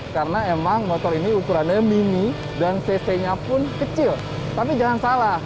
karena emang motor ini ukurannya mini dan cc nya pun kecil tapi jangan salah